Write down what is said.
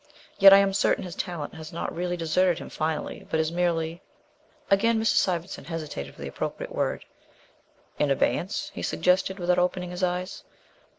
Yet, I am certain his talent has not really deserted him finally, but is merely " Again Mrs. Sivendson hesitated for the appropriate word. "In abeyance," he suggested, without opening his eyes.